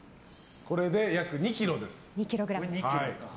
これで約２ｋｇです。